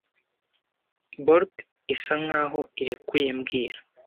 Bolt isa nkaho irekuye mbwira